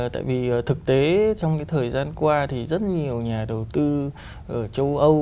tại vì thực tế trong cái thời gian qua thì rất nhiều nhà đầu tư ở châu âu